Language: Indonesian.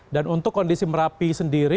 dan untuk kondisi merapi sendiri